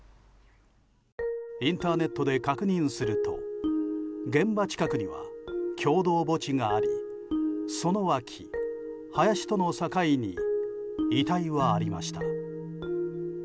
インターネットで確認すると現場近くには共同墓地がありその脇、林との境に遺体はありました。